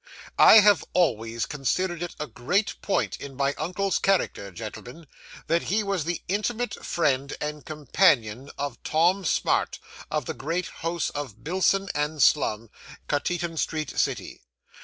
'I have always considered it a great point in my uncle's character, gentlemen, that he was the intimate friend and companion of Tom Smart, of the great house of Bilson and Slum, Cateaton Street, City.